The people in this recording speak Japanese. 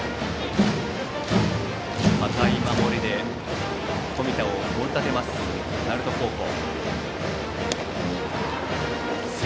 堅い守りで冨田を盛り立てる鳴門高校。